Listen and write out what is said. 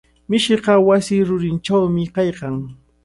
Mishiqa wasi rurinchawmi kaykan.